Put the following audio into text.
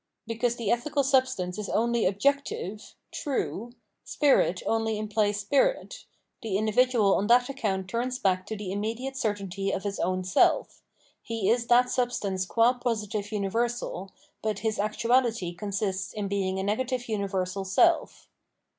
Because the ethical sub stance is only objective, """ true, spirit, only impfies spirit, the individual on that account turns back to the im mediate certainty of his own self ; he is that substance qua positive universal, but his actuality consists in being a negative universal self.